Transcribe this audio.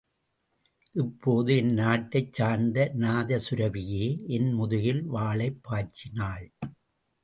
இப்போது என் நாட்டைச் சார்ந்த நாதசுரபியே என் முதுகில் வாளைப் பாய்ச்சினாள்.